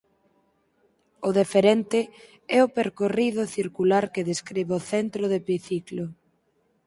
O deferente é o percorrido circular que describe o centro do epiciclo.